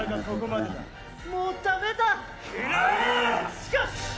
しかし！